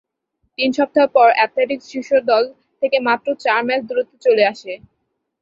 তিন সপ্তাহ পর, "অ্যাথলেটিক্স" শীর্ষ দল থেকে মাত্র চার ম্যাচ দূরত্বে চলে আসে।